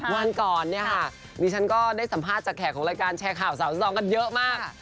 วันก่อนเนี่ยค่ะดิฉันก็ได้สัมภาษณ์จากแขกของรายการแชร์ข่าวสาวสตองกันเยอะมาก